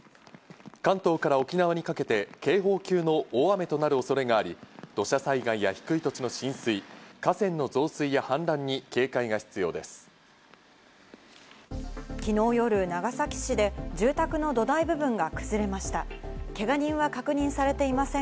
関東から沖縄にかけて警報級の大雨となる恐れがあり、土砂災害や低い土地の浸水、河川の増水やはん濫に警戒が必要です。